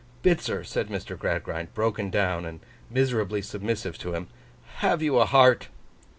'Bitzer,' said Mr. Gradgrind, broken down, and miserably submissive to him, 'have you a heart?